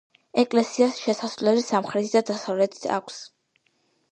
ეკლესიას შესასვლელები სამხრეთით და დასავლეთით აქვს.